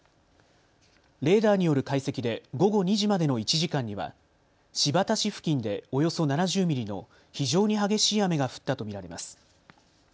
レーダーによる解析で午後２時までの１時間には新発田市付近でおよそ７０ミリの非常に激しい雨が降ったと見られます。